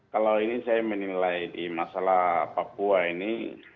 kalau ini saya menilai di masalah papua ini